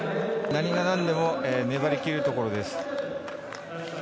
何が何でも粘りきるところです。